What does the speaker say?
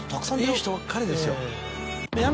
いい人ばっかりですよ。